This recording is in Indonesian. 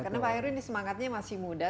karena pak ero ini semangatnya masih muda